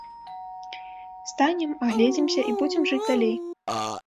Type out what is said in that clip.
Станем, агледзімся, і будзем жыць далей.